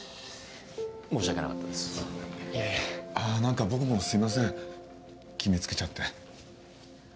あ何か僕もすいません決め付けちゃって。